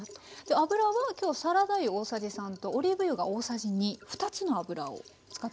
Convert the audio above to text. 油は今日サラダ油大さじ３とオリーブ油が大さじ２２つの油を使っています。